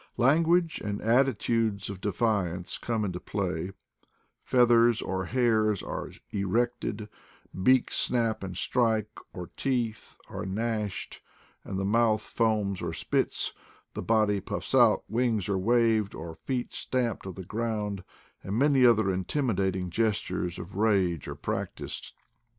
Language and attitudes of defiance come into play; feathers or hairs are erected; beaks snap and strike, or teeth are gnashed, and the mouth foams or spits; the body puffs out; wings are waved or feet stamped on the ground, and many other intimidating gestures of rage are prac tised.